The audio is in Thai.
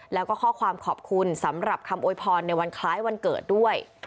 แล้วก็ข้อความขอบคุณสำหรับคำโวยพรในวันคล้ายวันเกิดด้วย